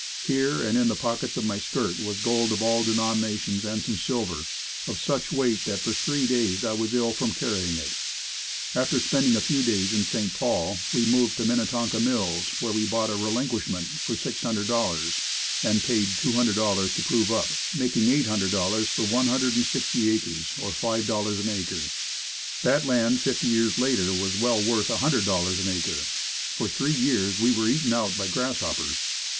Here, and in the pockets of my skirt was gold of all denominations and some silver, of such weight that for three days I was ill from carrying it. After spending a few days in St. Paul we moved to Minnetonka Mills where we bought a relinquishment for $600 and paid $200 to prove up making $800 for one hundred and sixty acres or $5 an acre; that land fifty years later was well worth $100 an acre. For three years we were eaten out by grasshoppers.